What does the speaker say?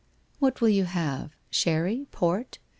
1 What will you have ? Sherry ? Port